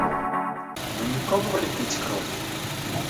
Вы не пробовали пить кровь?